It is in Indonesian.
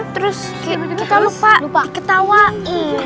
terus kita lupa diketawain